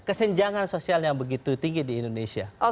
kesenjangan sosial yang begitu tinggi di indonesia